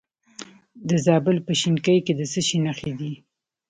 د زابل په شینکۍ کې د څه شي نښې دي؟